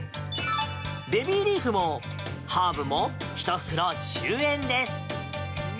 ベビーリーフもハーブも１袋１０円です。